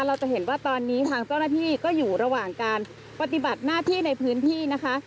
เราจะเห็นว่าตอนนี้ทางเจ้าหน้าที่ก็อยู่ระหว่างการปฏิบัติหน้าที่ในพื้นที่นะคะ